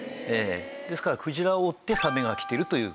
ですからクジラを追ってサメが来ているという。